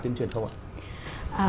tiêm truyền không ạ